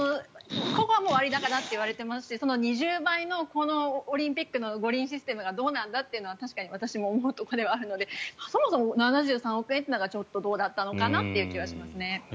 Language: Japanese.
割高だといわれていますし２０倍のオリンピックの五輪システムがどうなんだというのは私も思うところがあるのでそもそも、７３億円というのがちょっとどうだったのかなという気はしますね。